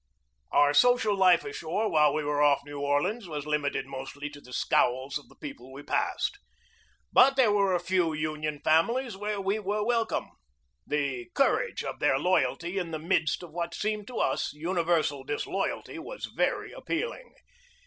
Our social life ashore while we were off New Orleans was limited mostly to the scowls of the people we passed. But there were a few Union families where we were welcome. The courage of their loyalty in the midst of what seemed to us uni versal disloyalty was very appealing.